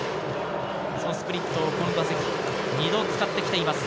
そのスプリットをこの打席、２度使ってきています。